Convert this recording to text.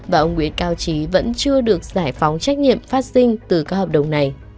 và ông nguyễn cao trí vẫn chưa được giải phóng trách nhiệm phát sinh từ các hợp đồng này